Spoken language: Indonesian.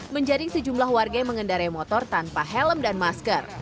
menjaring sejumlah warga yang mengendarai motor tanpa helm dan masker